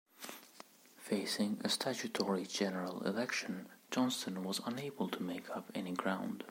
Facing a statutory general election, Johnston was unable to make up any ground.